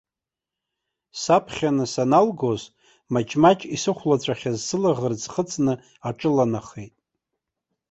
Саԥхьаны санаалгоз маҷ-маҷ исыхәлаҵәахьаз сылаӷырӡ хыҵны аҿыланахеит.